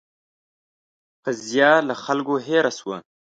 قضیه له خلکو هېره شوه.